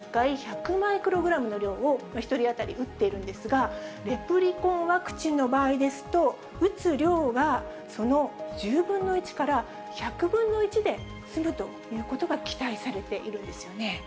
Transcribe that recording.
は、１回３０マイクログラム、モデルナは１回１００マイクログラムの量を１人当たり打っているんですが、レプリコンワクチンの場合ですと、打つ量はその１０分の１から１００分の１で済むということが期待されているんですよね。